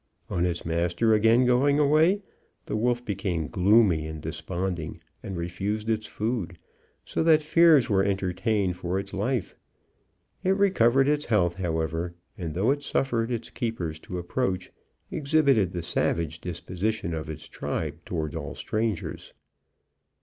On its master again going away, the wolf became gloomy and desponding, and refused its food, so that fears were entertained for its life. It recovered its health, however, and though it suffered its keepers to approach, exhibited the savage disposition of its tribe towards all strangers.